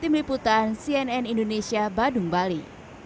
tim liputan cnn indonesia badung bali